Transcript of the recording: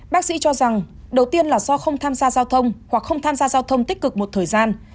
bác sĩ cho rằng đầu tiên là do không tham gia giao thông hoặc không tham gia giao thông tích cực một thời gian